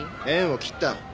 縁を切った。